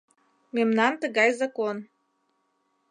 — Мемнан тыгай закон».